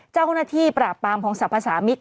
เจ้าหน้าที่ปราบปรามของสรรพสามิตร